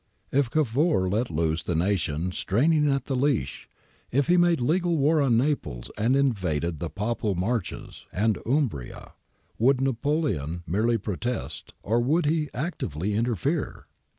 If Cavour let loose the nation straining at the leash, if he made legal war on Naples and invaded the Papal Marches and Umbria, would Napoleon merely protest, or would he actively interfere?